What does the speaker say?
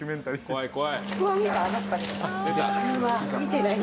怖い怖い。